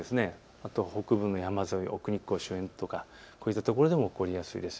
あとは北部の山沿い、奥日光周辺とか、こういったところでも起こりやすいです。